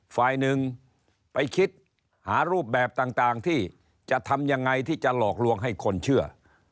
ฝ่ายหนึ่งไปคิดหารูปแบบต่างที่จะทำยังไงที่จะหลอกลวงให้คนเชื่อ